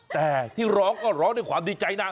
แต่ที่ร้องก็ร้องด้วยความดีใจนะ